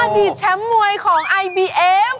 อดีตแชมป์มวยของไอบีเอฟ